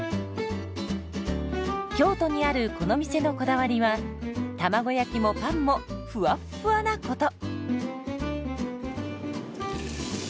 京都にあるこの店のこだわりは卵焼きもパンもふわっふわなこと。